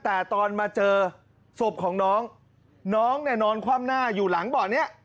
แต่ตอนมาเจอศพของน้องน้องเนี่ยนอนคว่ำหน้าอยู่หลังเบาะนี้